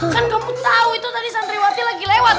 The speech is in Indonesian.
kan kamu tahu itu tadi santriwati lagi lewat